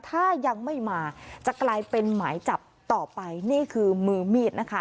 ถ้ายังไม่มาจะกลายเป็นหมายจับต่อไปนี่คือมือมีดนะคะ